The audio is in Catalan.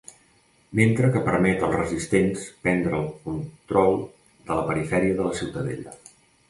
Mentre que permet als resistents prendre el control de la perifèria de la Ciutadella.